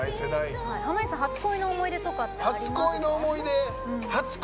濱家さん、初恋の思い出とかって初恋の思い出？